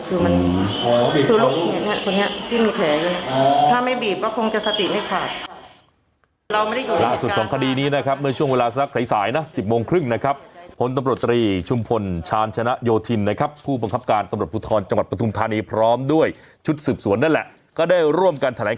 คือมันคือลูกคนเนี่ยคนเนี่ยที่มีแขนเลย